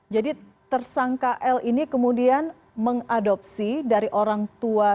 jadi tersangka l ini kemudian mengadopsi dari orang tua